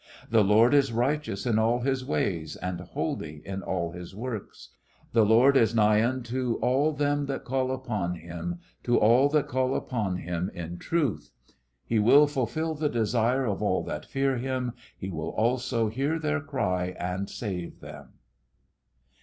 "'The Lord is righteous in all His ways, and holy in all His works. "'The Lord is nigh unto all them that call upon Him, to all that call upon Him in truth. "'He will fulfil the desire of all that fear Him: He also will hear their cry and save them.'"